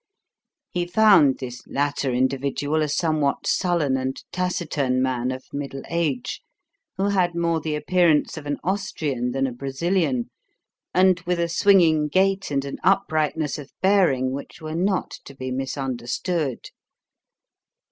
He found this latter individual a somewhat sullen and taciturn man of middle age, who had more the appearance of an Austrian than a Brazilian, and with a swinging gait and an uprightness of bearing which were not to be misunderstood.